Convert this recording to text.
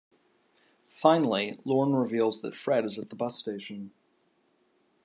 Finally, Lorne reveals that Fred is at the bus station.